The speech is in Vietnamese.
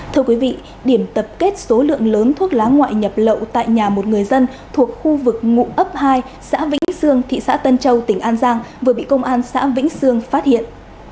thưa quý vị điểm tập kết số lượng lớn thuốc lá ngoại nhập lậu tại nhà một người dân thuộc khu vực ngụ ấp hai xã vĩnh sương thị xã tân châu tỉnh an giang vừa bị công an xã vĩnh sương phát hiện